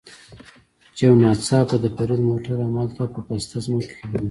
چې یو ناڅاپه د فرید موټر همالته په پسته ځمکه کې بند شو.